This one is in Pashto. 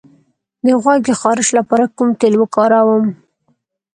د غوږ د خارش لپاره کوم تېل وکاروم؟